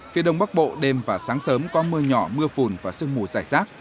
phía đông bắc bộ đêm và sáng sớm có mưa nhỏ mưa phùn và sương mù dài rác